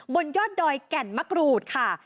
บนยอดดอยแก่นมะกรูดค่ะ